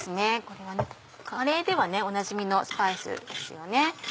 これはカレーではおなじみのスパイスですよね。